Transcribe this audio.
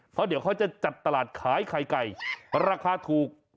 เพราะเดี๋ยวเขาจะจัดตลาดขายไข่ไก่ราคาถูก